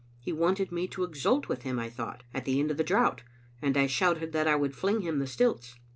He wanted me to exult with him, I thought, in the end of the drought, and I shouted that I would fling him the stilts.